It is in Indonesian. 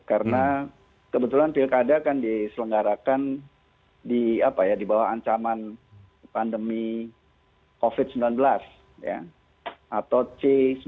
karena kebetulan pilkada kan diselenggarakan di bawah ancaman pandemi covid sembilan belas atau c sembilan belas